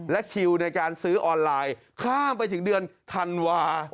และคิวในการซื้อออนไลน์ข้ามไปถึงเดือนธันวา